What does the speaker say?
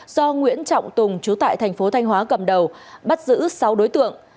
do nguyễn trọng tùng chú tại thành phố thanh hóa cầm đầu bắt giữ sáu đối tượng